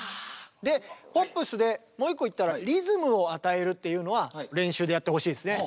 でポップスでもう１個言ったらリズムを与えるっていうのは練習でやってほしいですね。